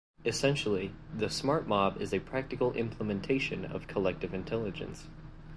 Essentially, the smart mob is a practical implementation of collective intelligence.